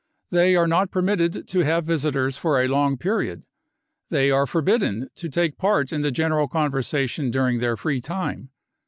They are not permitted to have visitors for a long period. They are forbidden to take part in the general conversation dur ing their free time.